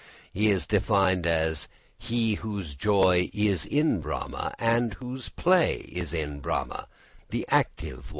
] He is defined as _He whose joy is in Brahma, whose play is in Brahma, the active one.